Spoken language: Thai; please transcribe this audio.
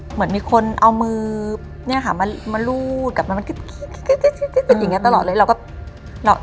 เหมือนมีคนเอามือมาลูบกลับมามันคิดอย่างนี้ตลอดเลย